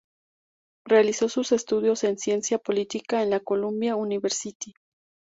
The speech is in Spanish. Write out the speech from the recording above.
Realizó sus estudios en ciencia política en la Columbia University.